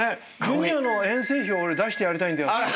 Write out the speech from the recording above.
「ジュニアの遠征費を俺出してやりたいんだよ」